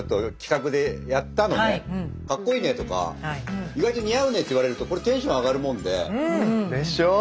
かっこいいねとか意外と似合うねって言われるとこれテンション上がるもんで。でしょう？